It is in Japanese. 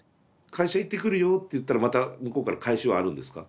会社行ってくるよって言ったらまた向こうから返しはあるんですか？